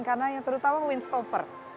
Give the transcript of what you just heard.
karena yang terutama windstopper